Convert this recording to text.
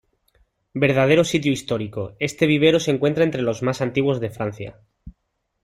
Verdadero sitio histórico, este vivero se encuentra entre los más antiguos de Francia.